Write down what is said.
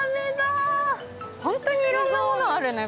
本当にいろんなものあるね。